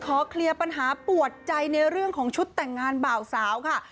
ขอแก่ปัญหาปวดใจในเรื่องของชุดแต่งงานเป่าสาวค่ะ